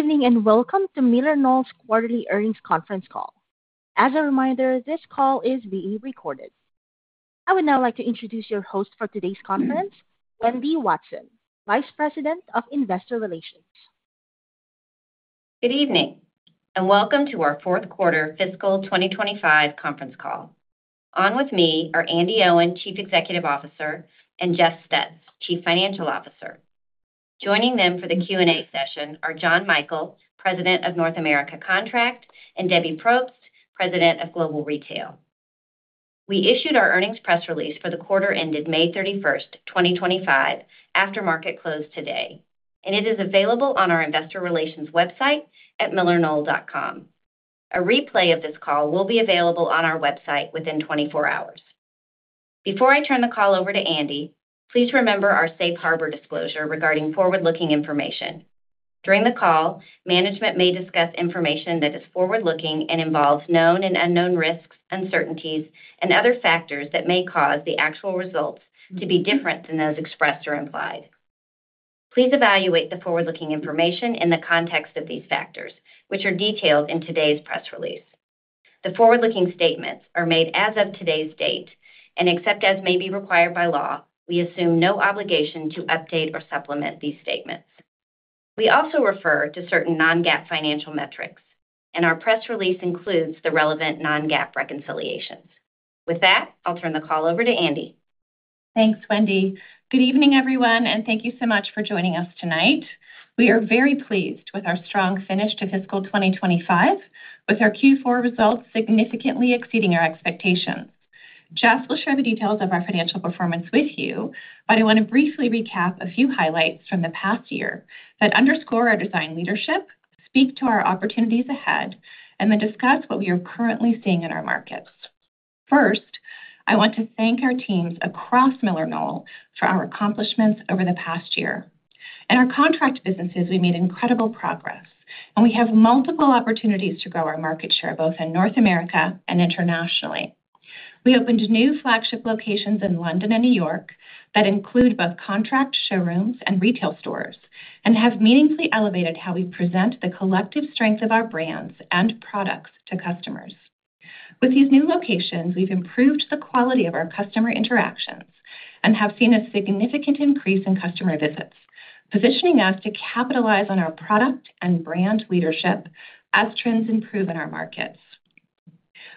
Good evening and welcome to MillerKnoll's Quarterly Earnings Conference Call. As a reminder, this call is being recorded. I would now like to introduce your host for today's conference, Wendy Watson, Vice President of Investor Relations. Good evening and welcome to our fourth quarter fiscal 2025 conference call. On with me are Andi Owen, Chief Executive Officer, and Jeff Stutz, Chief Financial Officer. Joining them for the Q&A session are John Michael, President of North America Contract, and Debbie Propst, President of Global Retail. We issued our earnings press release for the quarter ended May 31, 2025, after market close today, and it is available on our Investor Relations website at millerknoll.com. A replay of this call will be available on our website within 24 hours. Before I turn the call over to Andi, please remember our safe harbor disclosure regarding forward-looking information. During the call, management may discuss information that is forward-looking and involves known and unknown risks, uncertainties, and other factors that may cause the actual results to be different than those expressed or implied. Please evaluate the forward-looking information in the context of these factors, which are detailed in today's press release. The forward-looking statements are made as of today's date, and except as may be required by law, we assume no obligation to update or supplement these statements. We also refer to certain non-GAAP financial metrics, and our press release includes the relevant non-GAAP reconciliations. With that, I'll turn the call over to Andi. Thanks, Wendy. Good evening, everyone, and thank you so much for joining us tonight. We are very pleased with our strong finish to fiscal 2025, with our Q4 results significantly exceeding our expectations. Jeff will share the details of our financial performance with you, but I want to briefly recap a few highlights from the past year that underscore our design leadership, speak to our opportunities ahead, and then discuss what we are currently seeing in our markets. First, I want to thank our teams across MillerKnoll for our accomplishments over the past year. In our contract businesses, we made incredible progress, and we have multiple opportunities to grow our market share both in North America and internationally. We opened new flagship locations in London and New York that include both contract showrooms and retail stores and have meaningfully elevated how we present the collective strength of our brands and products to customers. With these new locations, we've improved the quality of our customer interactions and have seen a significant increase in customer visits, positioning us to capitalize on our product and brand leadership as trends improve in our markets.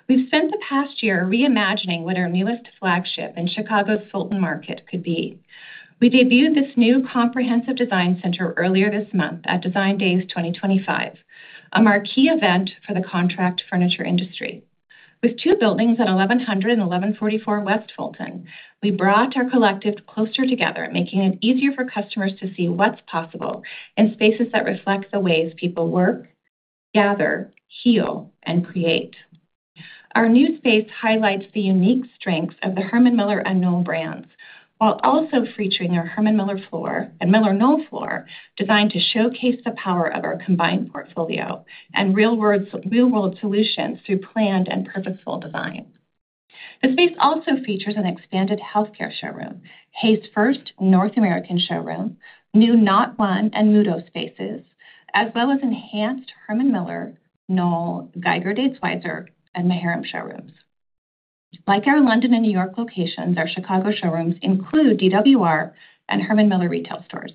We've spent the past year reimagining what our newest flagship in Chicago's Fulton Market could be. We debuted this new comprehensive design center earlier this month at Design Days 2025, a marquee event for the contract furniture industry. With two buildings at 1100 and 1144 West Fulton, we brought our collective closer together, making it easier for customers to see what's possible in spaces that reflect the ways people work, gather, heal, and create. Our new space highlights the unique strengths of the Herman Miller and Knoll brands while also featuring our Herman Miller floor and MillerKnoll floor designed to showcase the power of our combined portfolio and real-world solutions through planned and purposeful design. The space also features an expanded healthcare showroom, Hay's first North American showroom, new Knoll One and Muuto spaces, as well as enhanced Herman Miller, Knoll, Geiger, DatesWeiser, and Maharam showrooms. Like our London and New York locations, our Chicago showrooms include DWR and Herman Miller retail stores.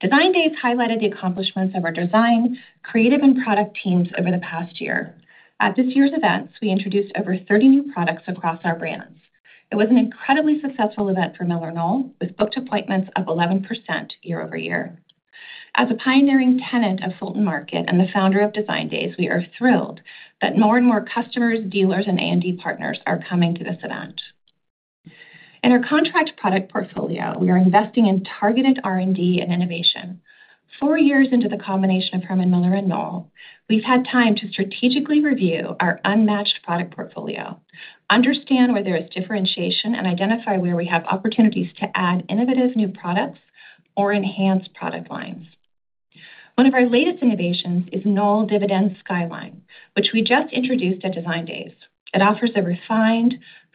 Design Days highlighted the accomplishments of our design, creative, and product teams over the past year. At this year's events, we introduced over 30 new products across our brands. It was an incredibly successful event for MillerKnoll, with booked appointments up 11% year-over-year. As a pioneering tenant of Fulton Market and the founder of Design Days, we are thrilled that more and more customers, dealers, and A&D partners are coming to this event. In our contract product portfolio, we are investing in targeted R&D and innovation. Four years into the combination of Herman Miller and Knoll, we've had time to strategically review our unmatched product portfolio, understand where there is differentiation, and identify where we have opportunities to add innovative new products or enhance product lines. One of our latest innovations is Knoll Dividend Skyline, which we just introduced at Design Days. It offers a refined,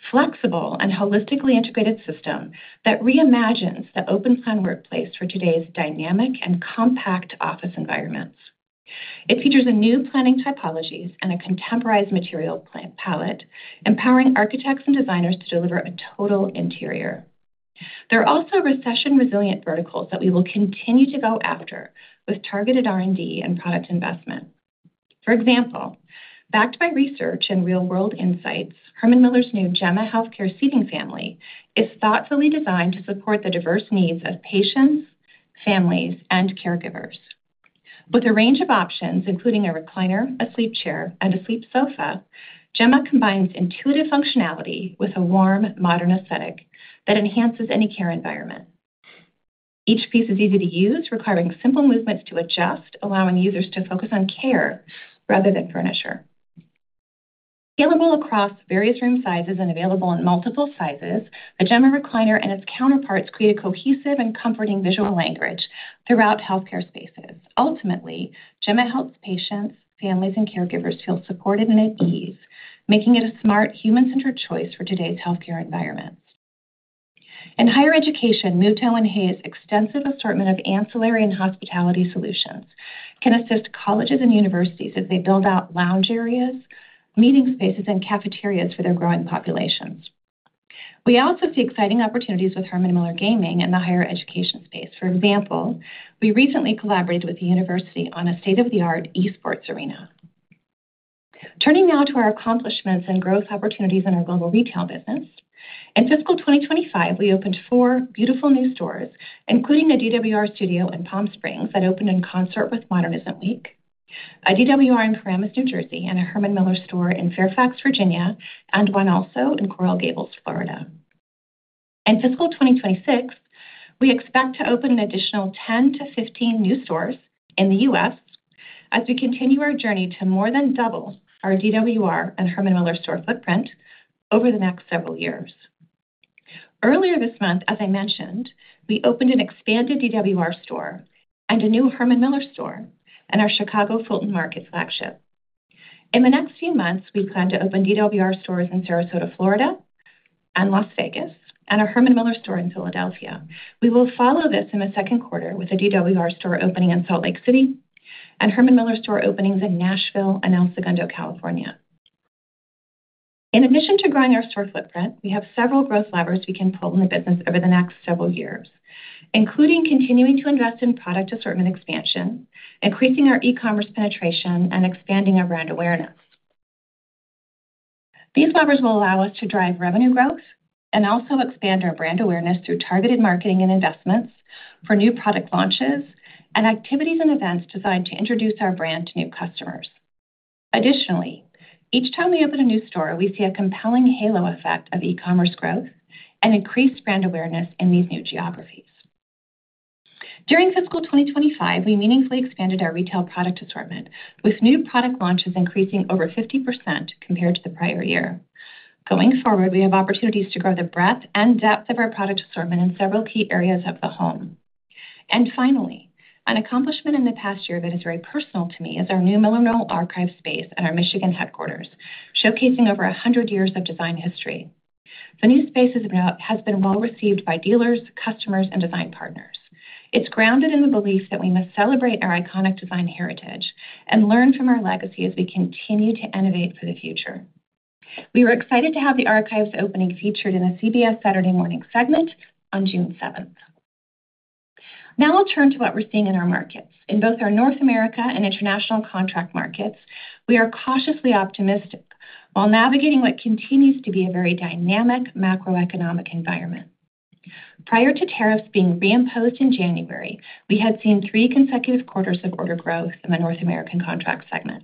flexible, and holistically integrated system that reimagines the open-plan workplace for today's dynamic and compact office environments. It features new planning typologies and a contemporized material palette, empowering architects and designers to deliver a total interior. There are also recession-resilient verticals that we will continue to go after with targeted R&D and product investment. For example, backed by research and real-world insights, Herman Miller's new Gemma Healthcare Seating Family is thoughtfully designed to support the diverse needs of patients, families, and caregivers. With a range of options, including a recliner, a sleep chair, and a sleep sofa, Gemma combines intuitive functionality with a warm, modern aesthetic that enhances any care environment. Each piece is easy to use, requiring simple movements to adjust, allowing users to focus on care rather than furniture. Scalable across various room sizes and available in multiple sizes, the Gemma recliner and its counterparts create a cohesive and comforting visual language throughout healthcare spaces. Ultimately, Gemma helps patients, families, and caregivers feel supported and at ease, making it a smart, human-centered choice for today's healthcare environments. In higher education, Muuto and HAY's extensive assortment of ancillary and hospitality solutions can assist colleges and universities as they build out lounge areas, meeting spaces, and cafeterias for their growing populations. We also see exciting opportunities with Herman Miller Gaming in the higher education space. For example, we recently collaborated with the university on a state-of-the-art eSports arena. Turning now to our accomplishments and growth opportunities in our global retail business, in fiscal 2025, we opened four beautiful new stores, including a DWR studio in Palm Springs that opened in concert with Modernism Week, a DWR in Paramus, New Jersey, and a Herman Miller store in Fairfax, Virginia, and one also in Coral Gables, Florida. In fiscal 2026, we expect to open an additional 10-15 new stores in the U.S. As we continue our journey to more than double our DWR and Herman Miller store footprint over the next several years. Earlier this month, as I mentioned, we opened an expanded DWR store and a new Herman Miller store in our Chicago Fulton Market flagship. In the next few months, we plan to open DWR stores in Sarasota, Florida, and Las Vegas, and a Herman Miller store in Philadelphia. We will follow this in the second quarter with a DWR store opening in Salt Lake City and Herman Miller store openings in Nashville and El Segundo, California. In addition to growing our store footprint, we have several growth levers we can pull in the business over the next several years, including continuing to invest in product assortment expansion, increasing our e-commerce penetration, and expanding our brand awareness. These levers will allow us to drive revenue growth and also expand our brand awareness through targeted marketing and investments for new product launches and activities and events designed to introduce our brand to new customers. Additionally, each time we open a new store, we see a compelling halo effect of e-commerce growth and increased brand awareness in these new geographies. During fiscal 2025, we meaningfully expanded our retail product assortment, with new product launches increasing over 50% compared to the prior year. Going forward, we have opportunities to grow the breadth and depth of our product assortment in several key areas of the home. Finally, an accomplishment in the past year that is very personal to me is our new MillerKnoll Archive space at our Michigan headquarters, showcasing over 100 years of design history. The new space has been well received by dealers, customers, and design partners. It's grounded in the belief that we must celebrate our iconic design heritage and learn from our legacy as we continue to innovate for the future. We were excited to have the Archives opening featured in the CBS Saturday morning segment on June 7th. Now I'll turn to what we're seeing in our markets. In both our North America and international contract markets, we are cautiously optimistic while navigating what continues to be a very dynamic macroeconomic environment. Prior to tariffs being reimposed in January, we had seen three consecutive quarters of order growth in the North America contract segment.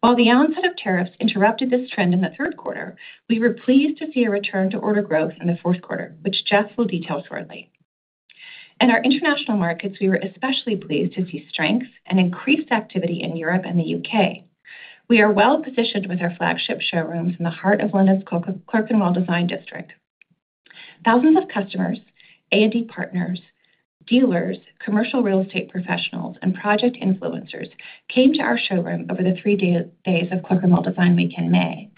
While the onset of tariffs interrupted this trend in the third quarter, we were pleased to see a return to order growth in the fourth quarter, which Jeff will detail shortly. In our international markets, we were especially pleased to see strength and increased activity in Europe and the U.K. We are well positioned with our flagship showrooms in the heart of London's Clerkenwell Design District. Thousands of customers, A&D partners, dealers, commercial real estate professionals, and project influencers came to our showroom over the three days of Clerkenwell Design Week in May.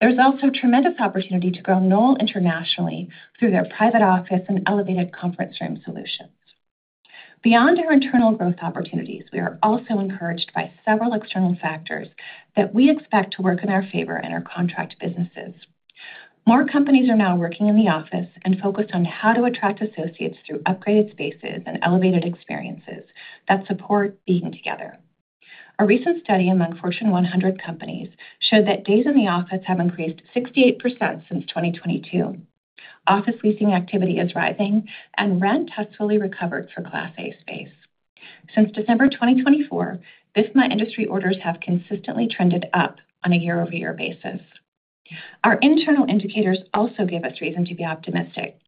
There is also tremendous opportunity to grow Knoll internationally through their private office and elevated conference room solutions. Beyond our internal growth opportunities, we are also encouraged by several external factors that we expect to work in our favor in our contract businesses. More companies are now working in the office and focused on how to attract associates through upgraded spaces and elevated experiences that support being together. A recent study among Fortune 100 companies showed that days in the office have increased 68% since 2022. Office leasing activity is rising, and rent has fully recovered for Class A space. Since December 2024, BIFMA industry orders have consistently trended up on a year-over-year basis. Our internal indicators also give us reason to be optimistic.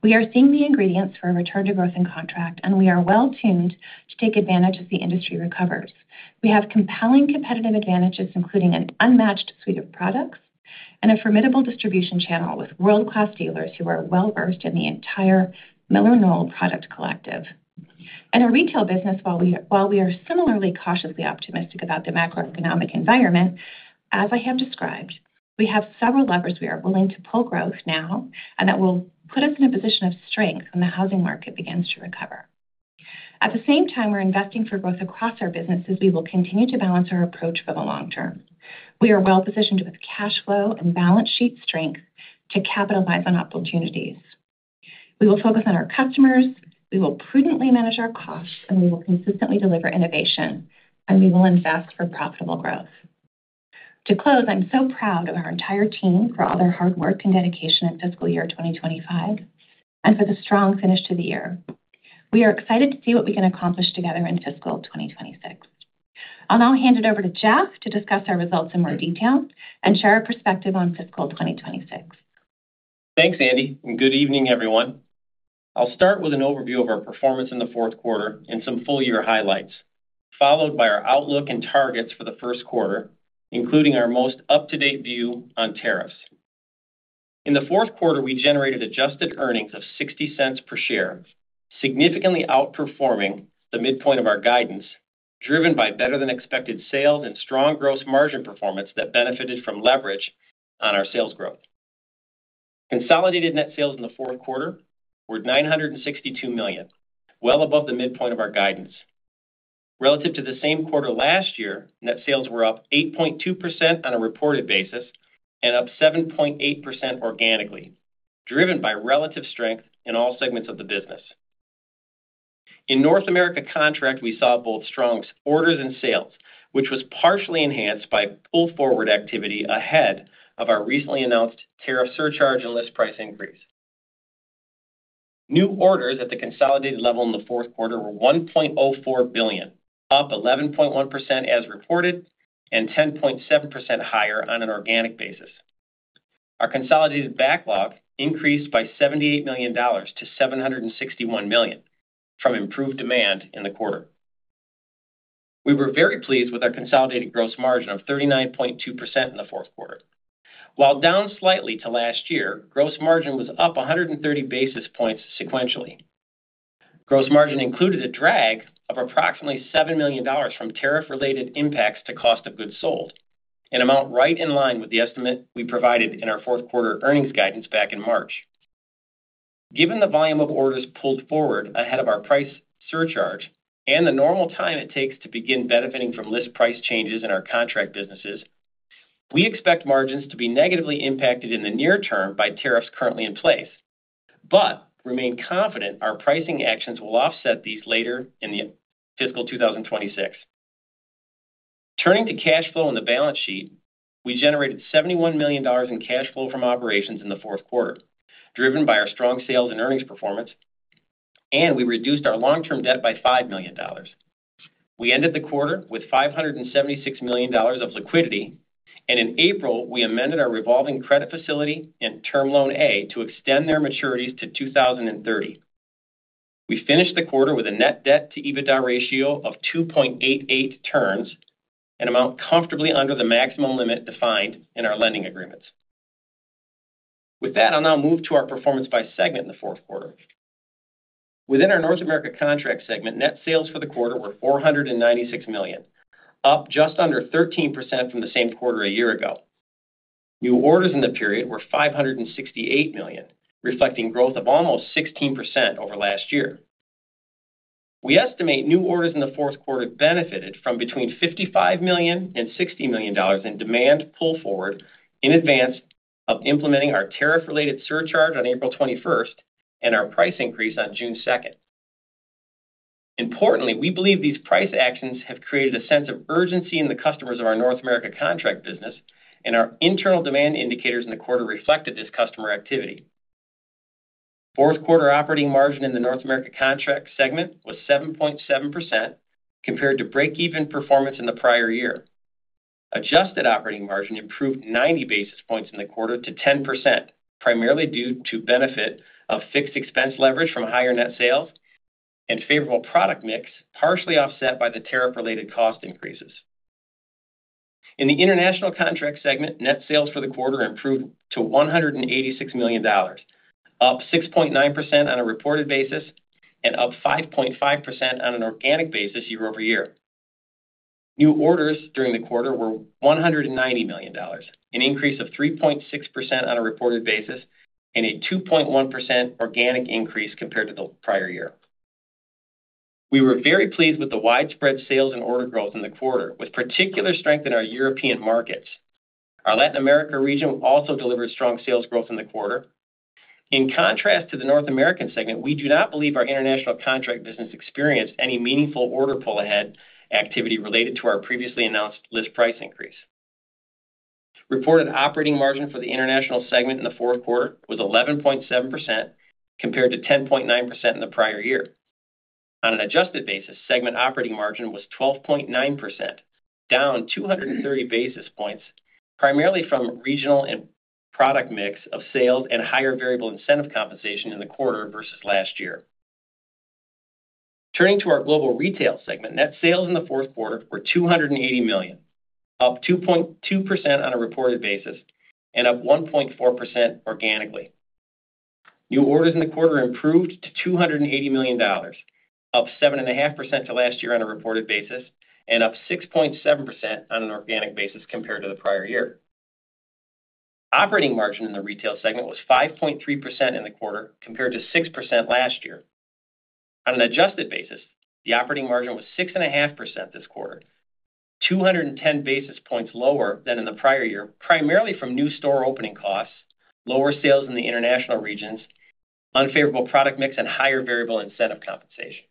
We are seeing the ingredients for a return to growth in contract, and we are well-tuned to take advantage as the industry recovers. We have compelling competitive advantages, including an unmatched suite of products and a formidable distribution channel with world-class dealers who are well-versed in the entire MillerKnoll product collective. In our retail business, while we are similarly cautiously optimistic about the macroeconomic environment, as I have described, we have several levers we are willing to pull for growth now and that will put us in a position of strength when the housing market begins to recover. At the same time, we're investing for growth across our businesses. We will continue to balance our approach for the long term. We are well-positioned with cash flow and balance sheet strength to capitalize on opportunities. We will focus on our customers. We will prudently manage our costs, and we will consistently deliver innovation, and we will invest for profitable growth. To close, I'm so proud of our entire team for all their hard work and dedication in fiscal year 2025 and for the strong finish to the year. We are excited to see what we can accomplish together in fiscal 2026. I'll now hand it over to Jeff to discuss our results in more detail and share our perspective on fiscal 2026. Thanks, Andi. Good evening, everyone. I'll start with an overview of our performance in the fourth quarter and some full-year highlights, followed by our outlook and targets for the first quarter, including our most up-to-date view on tariffs. In the fourth quarter, we generated adjusted earnings of $0.60 per share, significantly outperforming the midpoint of our guidance, driven by better-than-expected sales and strong gross margin performance that benefited from leverage on our sales growth. Consolidated net sales in the fourth quarter were $962 million, well above the midpoint of our guidance. Relative to the same quarter last year, net sales were up 8.2% on a reported basis and up 7.8% organically, driven by relative strength in all segments of the business. In North America contract, we saw both strong orders and sales, which was partially enhanced by pull-forward activity ahead of our recently announced tariff surcharge and list price increase. New orders at the consolidated level in the fourth quarter were $1.04 billion, up 11.1% as reported and 10.7% higher on an organic basis. Our consolidated backlog increased by $78 million to $761 million from improved demand in the quarter. We were very pleased with our consolidated gross margin of 39.2% in the fourth quarter. While down slightly to last year, gross margin was up 130 basis points sequentially. Gross margin included a drag of approximately $7 million from tariff-related impacts to cost of goods sold, an amount right in line with the estimate we provided in our fourth quarter earnings guidance back in March. Given the volume of orders pulled forward ahead of our price surcharge and the normal time it takes to begin benefiting from list price changes in our contract businesses, we expect margins to be negatively impacted in the near term by tariffs currently in place, but remain confident our pricing actions will offset these later in the fiscal 2026. Turning to cash flow and the balance sheet, we generated $71 million in cash flow from operations in the fourth quarter, driven by our strong sales and earnings performance, and we reduced our long-term debt by $5 million. We ended the quarter with $576 million of liquidity, and in April, we amended our revolving credit facility and term loan A to extend their maturities to 2030. We finished the quarter with a net debt-to-EBITDA ratio of 2.88 turns, an amount comfortably under the maximum limit defined in our lending agreements. With that, I'll now move to our performance by segment in the fourth quarter. Within our North America contract segment, net sales for the quarter were $496 million, up just under 13% from the same quarter a year ago. New orders in the period were $568 million, reflecting growth of almost 16% over last year. We estimate new orders in the fourth quarter benefited from between $55 million and $60 million in demand pull-forward in advance of implementing our tariff-related surcharge on April 21 and our price increase on June 2. Importantly, we believe these price actions have created a sense of urgency in the customers of our North America contract business, and our internal demand indicators in the quarter reflected this customer activity. Fourth quarter operating margin in the North America contract segment was 7.7% compared to break-even performance in the prior year. Adjusted operating margin improved 90 basis points in the quarter to 10%, primarily due to benefit of fixed expense leverage from higher net sales and favorable product mix, partially offset by the tariff-related cost increases. In the international contract segment, net sales for the quarter improved to $186 million, up 6.9% on a reported basis and up 5.5% on an organic basis year-over-year. New orders during the quarter were $190 million, an increase of 3.6% on a reported basis and a 2.1% organic increase compared to the prior year. We were very pleased with the widespread sales and order growth in the quarter, with particular strength in our European markets. Our Latin America region also delivered strong sales growth in the quarter. In contrast to the North American segment, we do not believe our international contract business experienced any meaningful order pull-forward activity related to our previously announced list price increase. Reported operating margin for the international segment in the fourth quarter was 11.7% compared to 10.9% in the prior year. On an adjusted basis, segment operating margin was 12.9%, down 230 basis points, primarily from regional and product mix of sales and higher variable incentive compensation in the quarter versus last year. Turning to our global retail segment, net sales in the fourth quarter were $280 million, up 2.2% on a reported basis and up 1.4% organically. New orders in the quarter improved to $280 million, up 7.5% to last year on a reported basis and up 6.7% on an organic basis compared to the prior year. Operating margin in the retail segment was 5.3% in the quarter compared to 6% last year. On an adjusted basis, the operating margin was 6.5% this quarter, 210 basis points lower than in the prior year, primarily from new store opening costs, lower sales in the international regions, unfavorable product mix, and higher variable incentive compensation.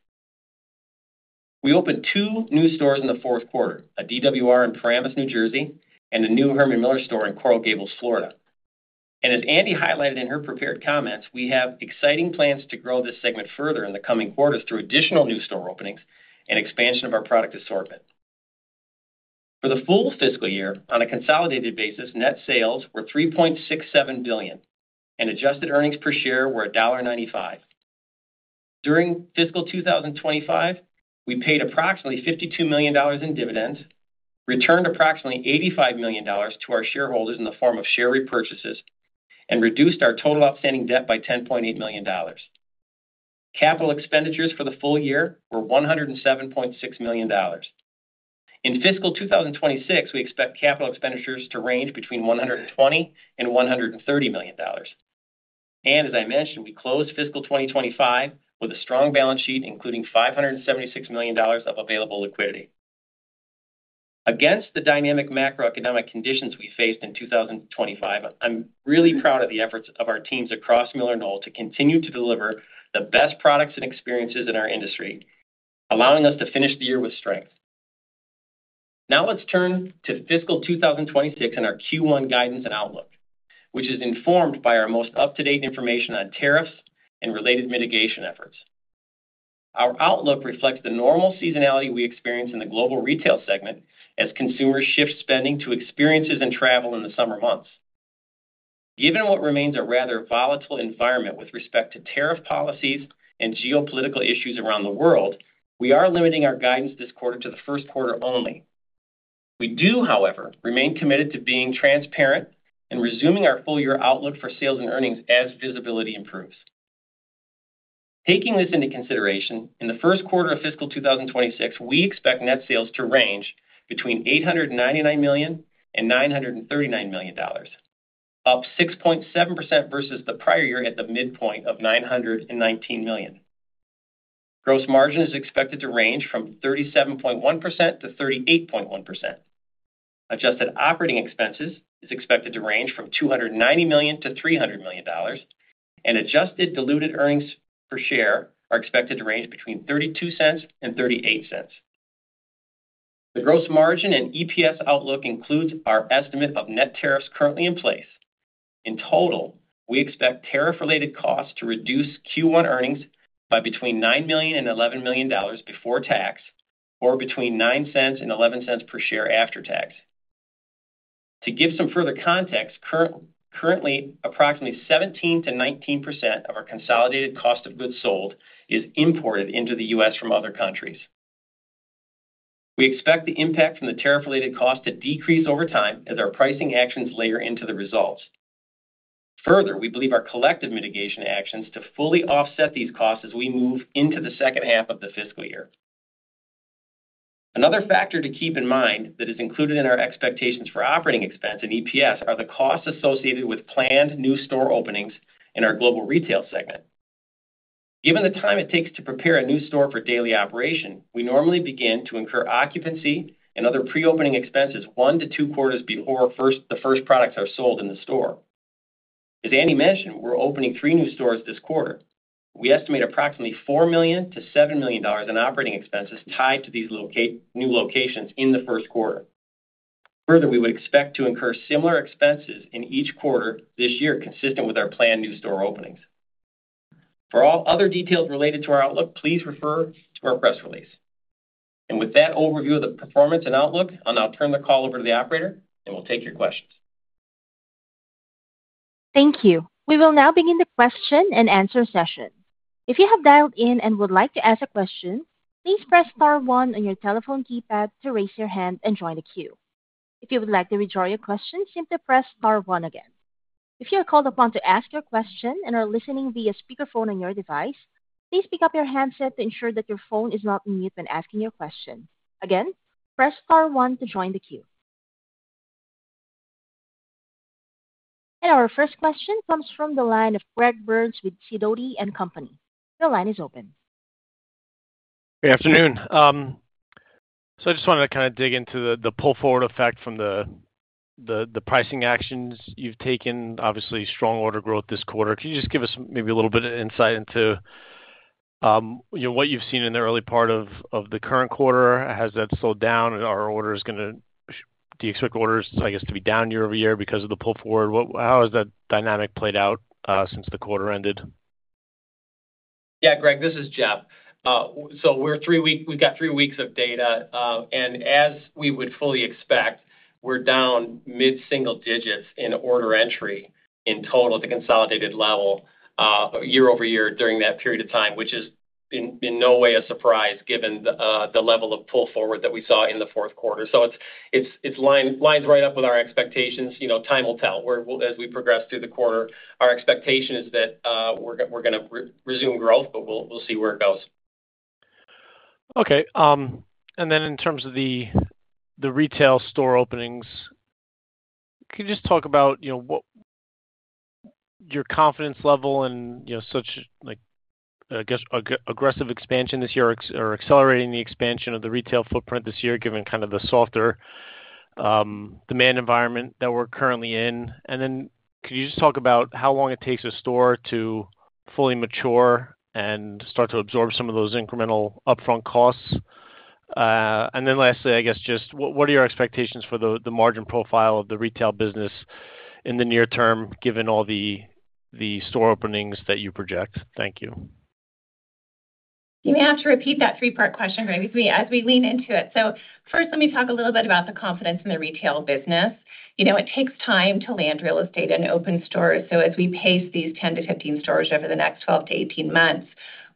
We opened two new stores in the fourth quarter, a DWR in Paramus, New Jersey, and a new Herman Miller store in Coral Gables, Florida. As Andi highlighted in her prepared comments, we have exciting plans to grow this segment further in the coming quarters through additional new store openings and expansion of our product assortment. For the full fiscal year, on a consolidated basis, net sales were $3.67 billion, and adjusted earnings per share were $1.95. During fiscal 2025, we paid approximately $52 million in dividends, returned approximately $85 million to our shareholders in the form of share repurchases, and reduced our total outstanding debt by $10.8 million. Capital expenditures for the full year were $107.6 million. In fiscal 2026, we expect capital expenditures to range between $120-$130 million. As I mentioned, we closed fiscal 2025 with a strong balance sheet, including $576 million of available liquidity. Against the dynamic macroeconomic conditions we faced in 2025, I'm really proud of the efforts of our teams across MillerKnoll to continue to deliver the best products and experiences in our industry, allowing us to finish the year with strength. Now let's turn to fiscal 2026 and our Q1 guidance and outlook, which is informed by our most up-to-date information on tariffs and related mitigation efforts. Our outlook reflects the normal seasonality we experience in the global retail segment as consumers shift spending to experiences and travel in the summer months. Given what remains a rather volatile environment with respect to tariff policies and geopolitical issues around the world, we are limiting our guidance this quarter to the first quarter only. We do, however, remain committed to being transparent and resuming our full-year outlook for sales and earnings as visibility improves. Taking this into consideration, in the first quarter of fiscal 2026, we expect net sales to range between $899 million and $939 million, up 6.7% versus the prior year at the midpoint of $919 million. Gross margin is expected to range from 37.1%-38.1%. Adjusted operating expenses is expected to range from $290 million-$300 million, and adjusted diluted earnings per share are expected to range between $0.32 and $0.38. The gross margin and EPS outlook includes our estimate of net tariffs currently in place. In total, we expect tariff-related costs to reduce Q1 earnings by between $9 million and $11 million before tax or between $0.09 and $0.11 per share after tax. To give some further context, currently, approximately 17%-19% of our consolidated cost of goods sold is imported into the U.S. from other countries. We expect the impact from the tariff-related costs to decrease over time as our pricing actions layer into the results. Further, we believe our collective mitigation actions to fully offset these costs as we move into the second half of the fiscal year. Another factor to keep in mind that is included in our expectations for operating expense and EPS are the costs associated with planned new store openings in our global retail segment. Given the time it takes to prepare a new store for daily operation, we normally begin to incur occupancy and other pre-opening expenses one to two quarters before the first products are sold in the store. As Andi mentioned, we're opening three new stores this quarter. We estimate approximately $4 million-$7 million in operating expenses tied to these new locations in the first quarter. Further, we would expect to incur similar expenses in each quarter this year, consistent with our planned new store openings. For all other details related to our outlook, please refer to our press release. With that overview of the performance and outlook, I'll now turn the call over to the operator, and we'll take your questions. Thank you. We will now begin the question and answer session. If you have dialed in and would like to ask a question, please press *1 on your telephone keypad to raise your hand and join the queue. If you would like to withdraw your question, simply press *1 again. If you are called upon to ask your question and are listening via speakerphone on your device, please pick up your handset to ensure that your phone is not on mute when asking your question. Again, press *1 to join the queue. Our first question comes from the line of Greg Burns with Sidoti & Company. Your line is open. Good afternoon. I just wanted to kind of dig into the pull-forward effect from the pricing actions you have taken. Obviously, strong order growth this quarter. Can you just give us maybe a little bit of insight into what you have seen in the early part of the current quarter? Has that slowed down? Are orders going to—do you expect orders, I guess, to be down year-over-year because of the pull-forward? How has that dynamic played out since the quarter ended? Yeah, Greg, this is Jeff. We have three weeks of data. As we would fully expect, we are down mid-single digits in order entry in total at the consolidated level year-over-year during that period of time, which is in no way a surprise given the level of pull-forward that we saw in the fourth quarter. It lines right up with our expectations. Time will tell as we progress through the quarter. Our expectation is that we are going to resume growth, but we will see where it goes. Okay. In terms of the retail store openings, can you just talk about your confidence level and such, I guess, aggressive expansion this year or accelerating the expansion of the retail footprint this year, given kind of the softer demand environment that we are currently in? Could you just talk about how long it takes a store to fully mature and start to absorb some of those incremental upfront costs? Lastly, I guess, just what are your expectations for the margin profile of the retail business in the near term, given all the store openings that you project? Thank you. You may have to repeat that three-part question, Greg, as we lean into it. First, let me talk a little bit about the confidence in the retail business. It takes time to land real estate and open stores. As we pace these 10-15 stores over the next 12-18 months,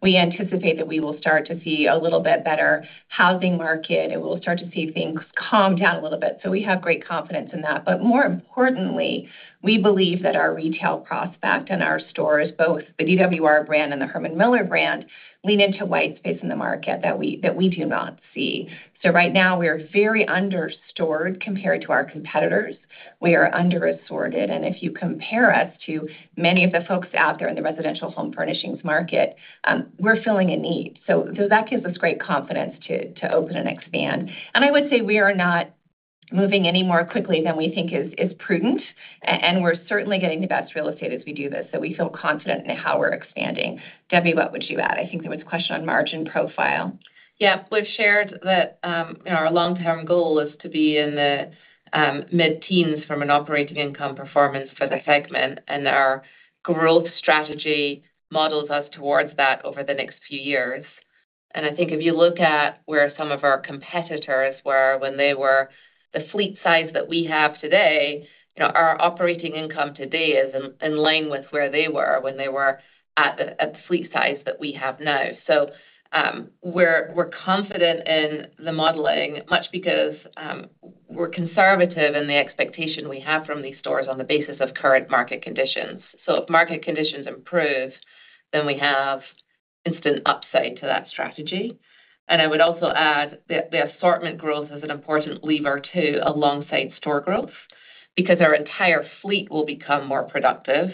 we anticipate that we will start to see a little bit better housing market, and we will start to see things calm down a little bit. We have great confidence in that. More importantly, we believe that our retail prospect and our stores, both the DWR brand and the Herman Miller brand, lean into white space in the market that we do not see. Right now, we are very under-stored compared to our competitors. We are under-assorted. If you compare us to many of the folks out there in the residential home furnishings market, we're filling a need. That gives us great confidence to open and expand. I would say we are not moving any more quickly than we think is prudent. We're certainly getting the best real estate as we do this. We feel confident in how we're expanding. Debbie, what would you add? I think there was a question on margin profile. Yeah. We've shared that our long-term goal is to be in the mid-teens from an operating income performance for the segment, and our growth strategy models us towards that over the next few years. I think if you look at where some of our competitors were when they were the fleet size that we have today, our operating income today is in line with where they were when they were at the fleet size that we have now. We're confident in the modeling, much because we're conservative in the expectation we have from these stores on the basis of current market conditions. If market conditions improve, then we have instant upside to that strategy. I would also add that the assortment growth is an important lever too alongside store growth because our entire fleet will become more productive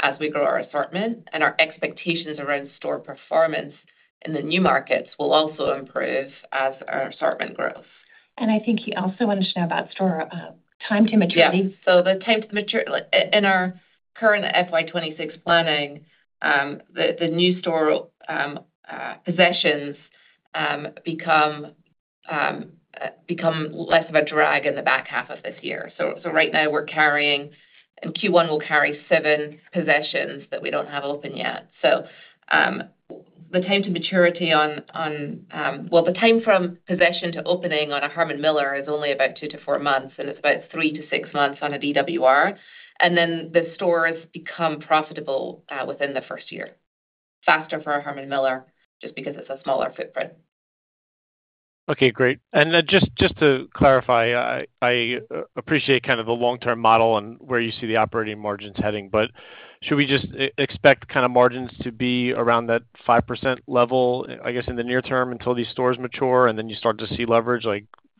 as we grow our assortment, and our expectations around store performance in the new markets will also improve as our assortment grows. I think you also wanted to know about store time to maturity. Yeah. The time to mature in our current FY2026 planning, the new store possessions become less of a drag in the back half of this year. Right now, we're carrying Q1 will carry seven possessions that we don't have open yet. The time to maturity on, well, the time from possession to opening on a Herman Miller is only about two to four months, and it's about three to six months on a DWR. Then the stores become profitable within the first year, faster for a Herman Miller just because it is a smaller footprint. Okay. Great. Just to clarify, I appreciate kind of the long-term model and where you see the operating margins heading, but should we just expect kind of margins to be around that 5% level, I guess, in the near term until these stores mature and then you start to see leverage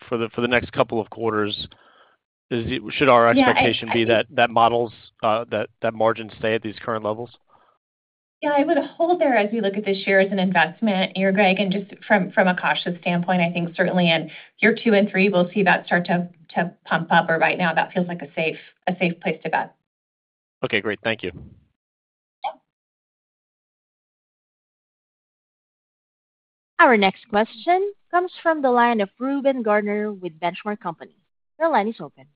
for the next couple of quarters? Should our expectation be that that margin stay at these current levels? Yeah. I would hold there as we look at this share as an investment here, Greg. Just from a cautious standpoint, I think certainly in year two and three, we will see that start to pump up. Right now, that feels like a safe place to bet. Okay. Great. Thank you. Our next question comes from the line of Reuben Garner with Benchmark Company. Your line is open.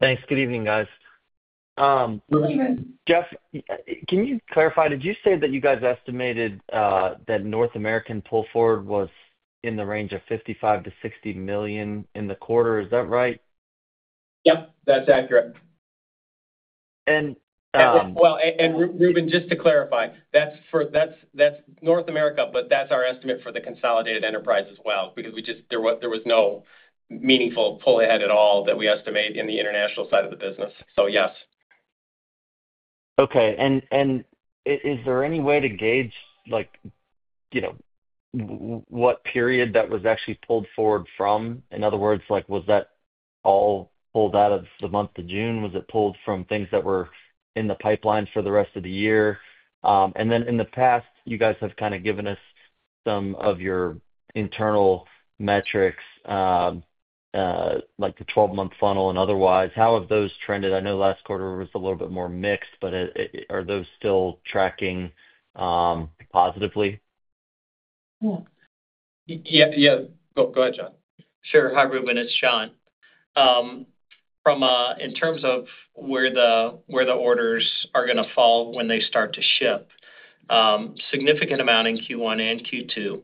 Thanks. Good evening, guys. Good evening. Jeff, can you clarify? Did you say that you guys estimated that North American pull-forward was in the range of $55 million-$60 million in the quarter? Is that right? Yep. That's accurate. Reuben, just to clarify, that's North America, but that's our estimate for the consolidated enterprise as well because there was no meaningful pull ahead at all that we estimate in the international side of the business. So yes. Okay. And is there any way to gauge what period that was actually pulled forward from? In other words, was that all pulled out of the month of June? Was it pulled from things that were in the pipeline for the rest of the year? In the past, you guys have kind of given us some of your internal metrics, like the 12-month funnel and otherwise. How have those trended? I know last quarter was a little bit more mixed, but are those still tracking positively? Yeah. Yeah. Go ahead, John. Sure. Hi, Reuben. It's John. In terms of where the orders are going to fall when they start to ship, significant amount in Q1 and Q2,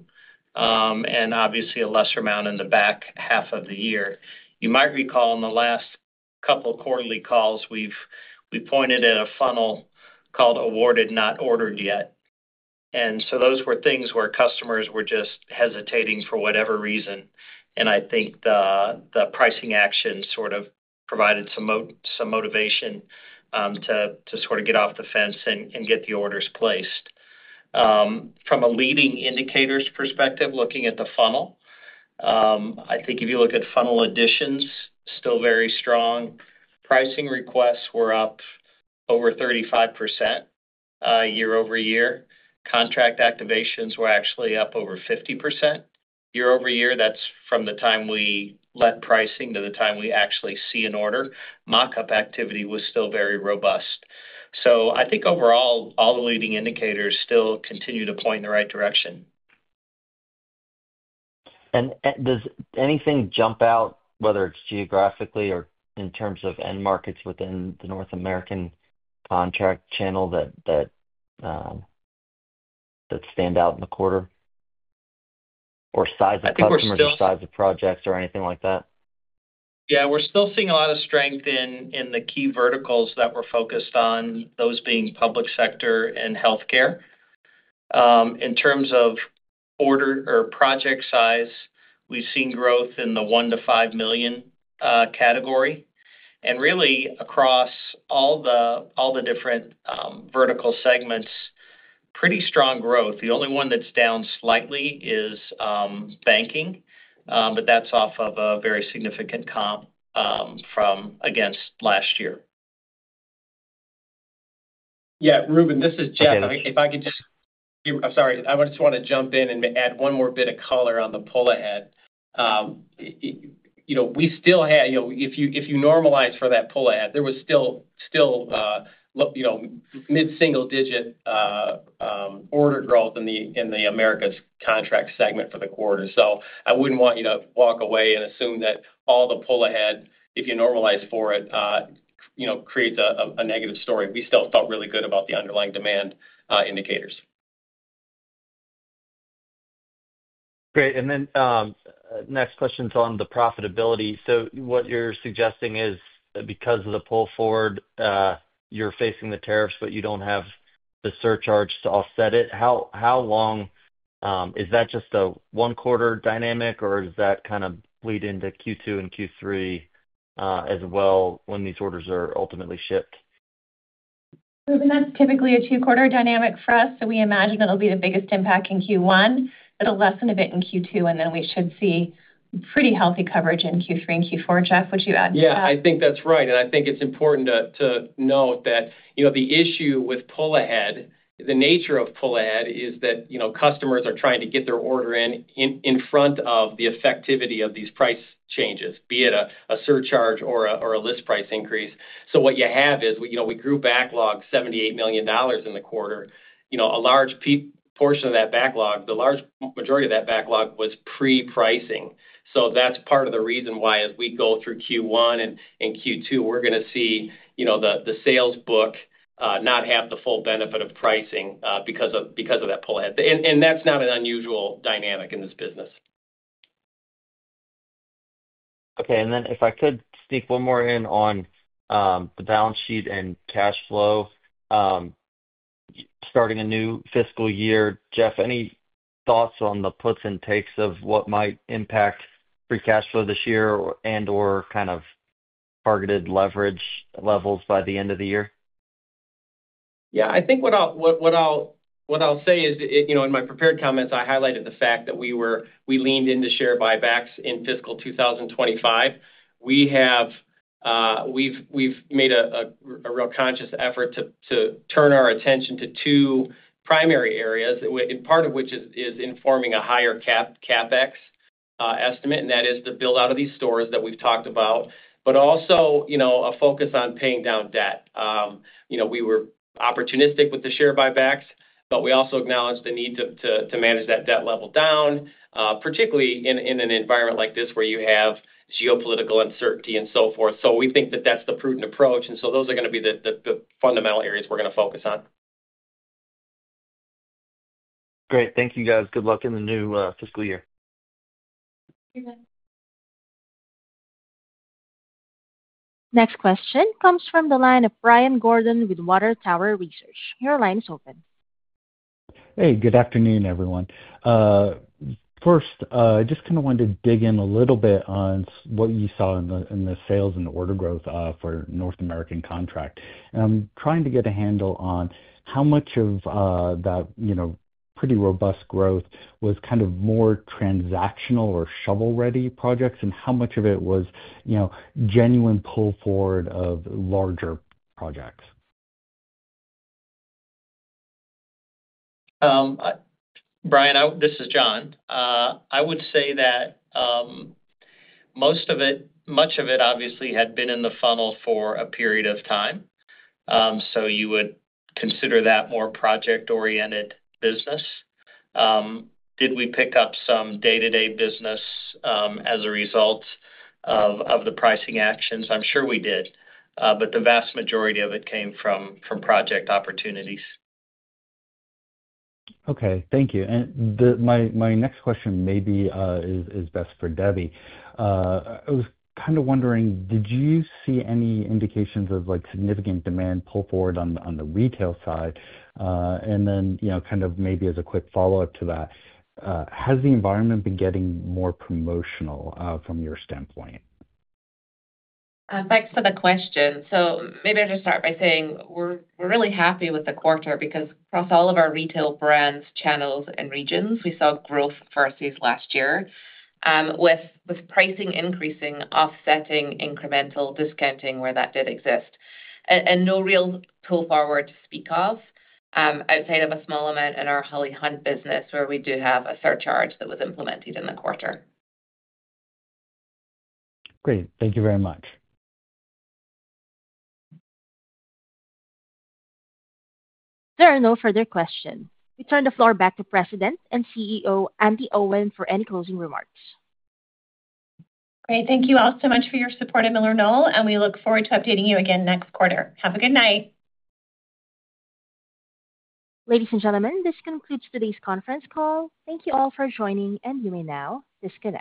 and obviously a lesser amount in the back half of the year. You might recall in the last couple of quarterly calls, we pointed at a funnel called awarded, not ordered yet. Those were things where customers were just hesitating for whatever reason. I think the pricing action sort of provided some motivation to sort of get off the fence and get the orders placed. From a leading indicators perspective, looking at the funnel, I think if you look at funnel additions, still very strong. Pricing requests were up over 35% year-ove-year. Contract activations were actually up over 50% year-over-year. That is from the time we let pricing to the time we actually see an order. Mockup activity was still very robust. I think overall, all the leading indicators still continue to point in the right direction. Does anything jump out, whether it is geographically or in terms of end markets within the North American contract channel that stand out in the quarter? Or size of customers or size of projects or anything like that? Yeah. We are still seeing a lot of strength in the key verticals that we are focused on, those being public sector and healthcare. In terms of order or project size, we've seen growth in the $1 million-$5 million category. Really, across all the different vertical segments, pretty strong growth. The only one that's down slightly is banking, but that's off of a very significant comp from against last year. Yeah. Reuben, this is Jeff. If I could just—I'm sorry. I just want to jump in and add one more bit of color on the pull ahead. We still had—if you normalize for that pull ahead, there was still mid-single digit order growth in the Americas contract segment for the quarter. I wouldn't want you to walk away and assume that all the pull ahead, if you normalize for it, creates a negative story. We still felt really good about the underlying demand indicators. Great. The next question is on the profitability. What you're suggesting is because of the pull forward, you're facing the tariffs, but you do not have the surcharge to offset it. How long is that? Just a one-quarter dynamic, or does that kind of bleed into Q2 and Q3 as well when these orders are ultimately shipped? Reuben, that's typically a two-quarter dynamic for us. We imagine it'll be the biggest impact in Q1. It'll lessen a bit in Q2, and then we should see pretty healthy coverage in Q3 and Q4. Jeff, would you add to that? Yeah. I think that's right. I think it's important to note that the issue with pull ahead, the nature of pull ahead, is that customers are trying to get their order in front of the effectivity of these price changes, be it a surcharge or a list price increase. What you have is we grew backlog $78 million in the quarter. A large portion of that backlog, the large majority of that backlog, was pre-pricing. That's part of the reason why, as we go through Q1 and Q2, we're going to see the salesbook not have the full benefit of pricing because of that pull ahead. That's not an unusual dynamic in this business. Okay. If I could sneak one more in on the balance sheet and cash flow starting a new fiscal year, Jeff, any thoughts on the puts and takes of what might impact free cash flow this year and/or kind of targeted leverage levels by the end of the year? Yeah. I think what I'll say is, in my prepared comments, I highlighted the fact that we leaned into share buybacks in fiscal 2025. We've made a real conscious effort to turn our attention to two primary areas, part of which is informing a higher CapEx estimate, and that is the build-out of these stores that we've talked about, but also a focus on paying down debt. We were opportunistic with the share buybacks, but we also acknowledged the need to manage that debt level down, particularly in an environment like this where you have geopolitical uncertainty and so forth. We think that that's the prudent approach. Those are going to be the fundamental areas we're going to focus on. Great. Thank you, guys. Good luck in the new fiscal year. Thank you, guys. Next question comes from the line of Brian Gordon with Water Tower Research. Your line is open. Hey. Good afternoon, everyone. First, I just kind of wanted to dig in a little bit on what you saw in the sales and order growth for North American contract. I am trying to get a handle on how much of that pretty robust growth was kind of more transactional or shovel-ready projects and how much of it was genuine pull forward of larger projects. Brian, this is John. I would say that much of it, obviously, had been in the funnel for a period of time. You would consider that more project-oriented business. Did we pick up some day-to-day business as a result of the pricing actions? I am sure we did. The vast majority of it came from project opportunities. Okay. Thank you. My next question maybe is best for Debbie. I was kind of wondering, did you see any indications of significant demand pull forward on the retail side? Then kind of maybe as a quick follow-up to that, has the environment been getting more promotional from your standpoint? Thanks for the question. Maybe I'll just start by saying we're really happy with the quarter because across all of our retail brands, channels, and regions, we saw growth for our seats last year with pricing increasing, offsetting, incremental discounting where that did exist. No real pull forward to speak of outside of a small amount in our Holly Hunt business where we do have a surcharge that was implemented in the quarter. Great. Thank you very much. There are no further questions. We turn the floor back to President and CEO Andi Owen for any closing remarks. Great. Thank you all so much for your support at MillerKnoll, and we look forward to updating you again next quarter. Have a good night. Ladies and gentlemen, this concludes today's conference call. Thank you all for joining, and you may now disconnect.